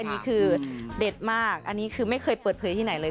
อันนี้คือเด็ดมากอันนี้คือไม่เคยเปิดเผยที่ไหนเลย